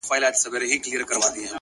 چي آدم نه وو، چي جنت وو دنيا څه ډول وه،